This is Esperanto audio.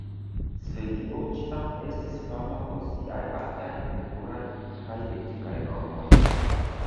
Svedio ĉiam estis fama pro siaj altaj kulturaj kaj etikaj normoj.